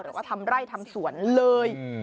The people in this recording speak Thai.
หรือว่าทำไร่ทำสวนเลย